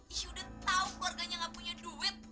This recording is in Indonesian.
ih udah tau keluarganya gak punya duit